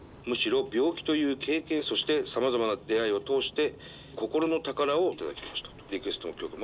むしろ病気という経験そしてさまざまな出会いを通して心の宝を頂きました」と。